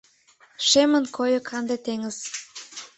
Шемын койо канде теҥыз